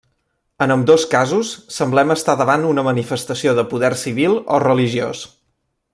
En ambdós casos semblem estar davant una manifestació de poder civil o religiós.